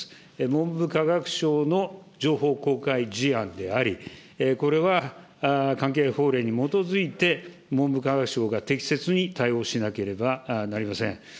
文部科学省の情報公開事案であり、これは関係法令に基づいて、文部科学省が適切に対応しなければなりません。